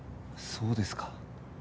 そうですか。